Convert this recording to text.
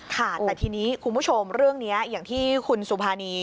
ค่ะแต่ทีนี้คุณผู้ชมเรื่องนี้อย่างที่คุณสุภานี